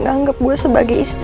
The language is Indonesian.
dia udah anggap gue sebagai istrinya